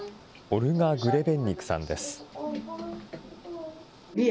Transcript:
オルガ・グレベンニクさんです。